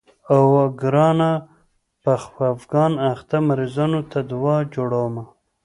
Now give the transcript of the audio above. اوو ګرانه په خفګان اخته مريضانو ته دوا جوړومه.